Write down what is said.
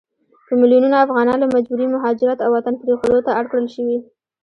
په ميلونونو افغانان له مجبوري مهاجرت او وطن پريښودو ته اړ کړل شوي